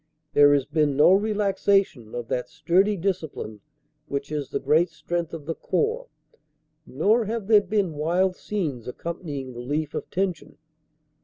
There has been no relaxation of that sturdy discipline which is the great strength of the Corps, nor have there been wild scenes accompanying relief of tension.